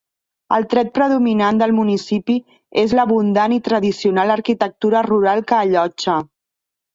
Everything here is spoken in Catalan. El tret predominant del municipi és l'abundant i tradicional arquitectura rural que allotja.